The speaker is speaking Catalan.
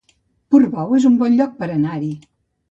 Portbou es un bon lloc per anar-hi